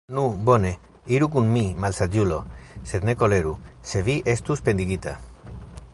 Nu, bone, iru kun mi, malsaĝulo, sed ne koleru, se vi estos pendigita!